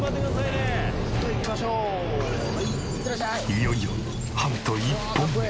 いよいよハント１本目。